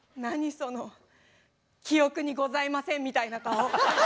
その「記憶にございません」みたいな顔。